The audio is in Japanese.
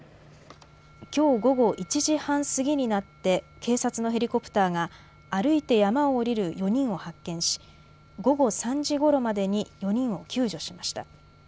きょう午後１時半過ぎになって警察のヘリコプターが歩いて山を下りる４人を発見し、午後３時ごろまでに４人を救助しました。